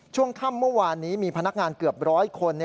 ช่วงค่ำเมื่อวานนี้มีพนักงานเกือบร้อยคน